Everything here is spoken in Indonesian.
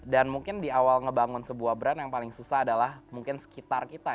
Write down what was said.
dan mungkin di awal ngebangun sebuah brand yang paling susah adalah mungkin sekitar kita